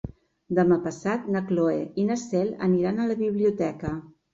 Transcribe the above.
Demà passat na Cloè i na Cel aniran a la biblioteca.